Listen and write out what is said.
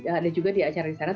ada juga di acara di sana